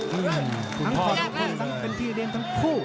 อื้มคุณพ่อมาทั้งเป็นพี่เลี้ยงทั้งผู้